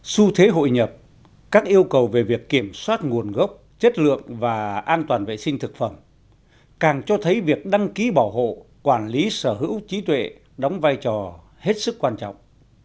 xu thế hội nhập các yêu cầu về việc kiểm soát nguồn gốc chất lượng và an toàn vệ sinh thực phẩm càng cho thấy việc đăng ký bảo hộ quản lý sở hữu trí tuệ đóng vai trò hết sức quan trọng